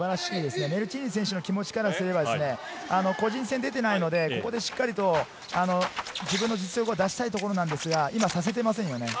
メルチーヌ選手の気持ちからすれば個人戦に出ていないので、自分の実力を出したいところですが、今させていませんね。